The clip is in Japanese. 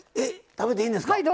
食べていいんですか。